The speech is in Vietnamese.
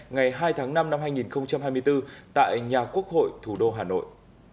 ngày hai tháng năm năm hai nghìn hai mươi bốn tại nhà quốc hội thủ đô hà nội